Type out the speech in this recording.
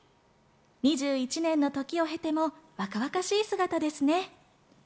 ２１年の時を経ても若々しい姿ですね。